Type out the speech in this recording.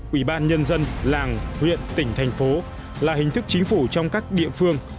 ủy ban nhân dân làng huyện tỉnh thành phố là hình thức chính phủ trong các địa phương